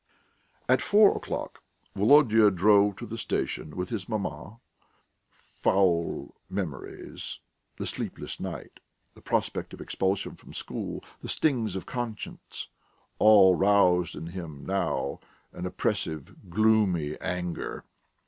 At four o'clock Volodya drove to the station with his maman. Foul memories, the sleepless night, the prospect of expulsion from school, the stings of conscience all roused in him now an oppressive, gloomy anger.